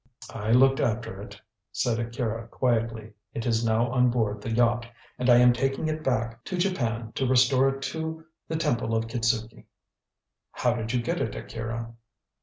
"I looked after it," said Akira quietly. "It is now on board the yacht, and I am taking it back to Japan to restore it to the Temple of Kitzuki." "How did you get it, Akira?"